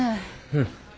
うん。